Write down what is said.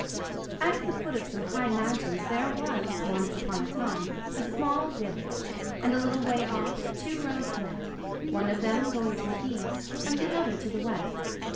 ] The Fox and the Wolf At the foot of some high mountains there was, once upon a time, a small village, and a little way off two roads met, one of them going to the east and the other to the west.